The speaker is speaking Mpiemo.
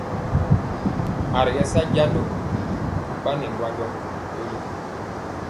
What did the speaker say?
A ri kɛ sa jando ɓanɛ ŋgwanjɔ toli.